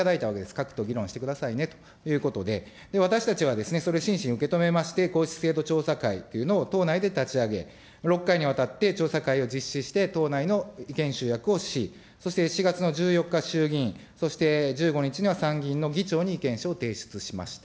各党議論してくださいねということで、私たちはですね、それを真摯に受け止めまして、皇室制度調査会というのを党内で立ち上げ、６回にわたって調査会を実施して、党内の意見集約をし、そして、４月の１４日に衆議院、そして１５日には参議院の議長に意見書を提出しました。